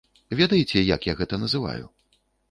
Ведаеце, як я гэта называю?